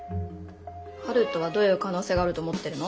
春風はどういう可能性があると思ってるの？